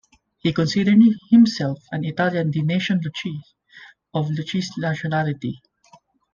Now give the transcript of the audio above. He considered himself an Italian "di nation lucchese", of Lucchese nationality.